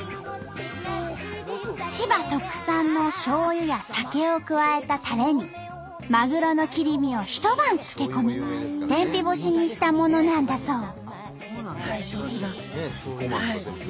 千葉特産のしょうゆや酒を加えたたれにまぐろの切り身を一晩漬け込み天日干しにしたものなんだそう。